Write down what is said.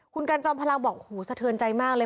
คุณกันจองพลังบอกสะเทินใจมากเลย